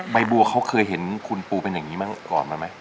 ใบบัวเขาเคยเห็นคุณปูเป็นอย่างนี้ก่อนมาไหม